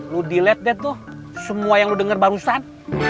lu dilihat deh tuh semua yang lu denger barusan